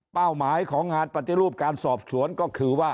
หมายของงานปฏิรูปการสอบสวนก็คือว่า